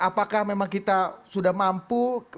apakah memang kita sudah mampu